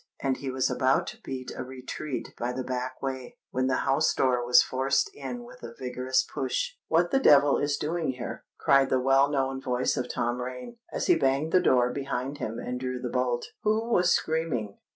and he was about to beat a retreat by the back way, when the house door was forced in with a vigorous push. "What the devil is doing here?" cried the well known voice of Tom Rain, as he banged the door behind him and drew the bolt. "Who was screaming?